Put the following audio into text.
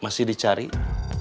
ya ada tiga orang